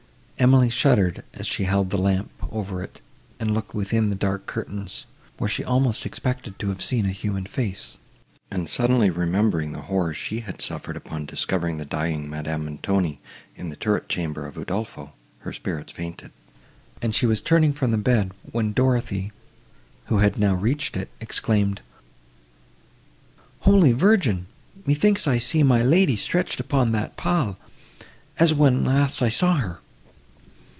Emily shuddered, as she held the lamp over it, and looked within the dark curtains, where she almost expected to have seen a human face, and, suddenly remembering the horror she had suffered upon discovering the dying Madame Montoni in the turret chamber of Udolpho, her spirits fainted, and she was turning from the bed, when Dorothée, who had now reached it, exclaimed, "Holy Virgin! methinks I see my lady stretched upon that pall—as when last I saw her!"